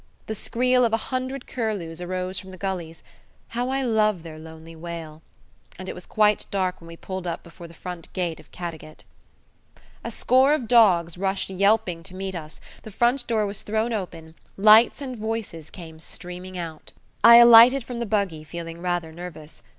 The skreel of a hundred curlews arose from the gullies how I love their lonely wail! and it was quite dark when we pulled up before the front gate of Caddagat. A score of dogs rushed yelping to meet us, the front door was thrown open, lights and voices came streaming out. I alighted from the buggy feeling rather nervous.